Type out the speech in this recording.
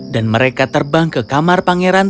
dan mereka terbang ke kamar pangeran